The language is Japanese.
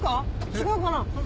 違うかな？